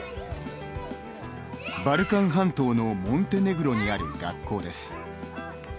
バルカン半島のモンテネグロにある学校です。